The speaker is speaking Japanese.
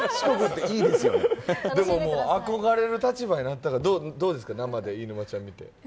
でも憧れる立場になってどうですか飯沼ちゃん、近くで見て。